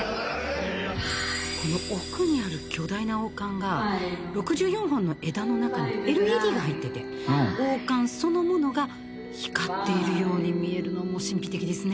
この奥にある巨大な王冠が６４本の枝の中にＬＥＤが入ってて王冠そのものが光っているように見えるのも神秘的ですね。